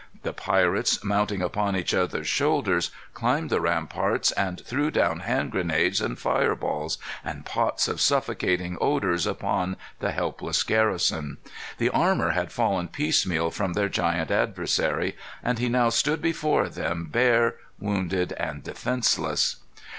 The pirates, mounting upon each other's shoulders, climbed the ramparts and threw down hand grenades and fire balls, and pots of suffocating odors upon the helpless garrison. "The armor had fallen piecemeal from their giant adversary, and he now stood before them bare, wounded, and defenceless."